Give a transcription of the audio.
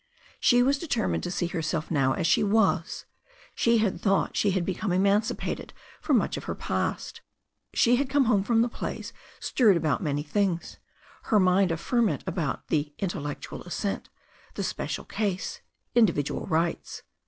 She was determined to see herself now as she was. She had thought she had become emancipated from much of her past. She had come home from the plays^ stirred about many things, her mind a ferment about the "intellectual assent," the "special case," individual rights.